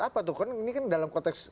apa tuh kan ini kan dalam konteks